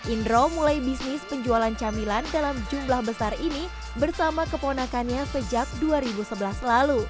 indro mulai bisnis penjualan camilan dalam jumlah besar ini bersama keponakannya sejak dua ribu sebelas lalu